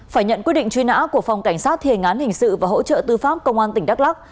phải nhận quyết định truy nã của phòng cảnh sát thề ngán hình sự và hỗ trợ tư pháp công an tỉnh đắk lắc